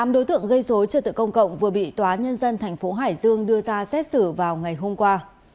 một mươi tám đối tượng gây dối cho tựa công cộng vừa bị tòa nhân dân tp hải dương đưa ra xét xử vào ngày hôm qua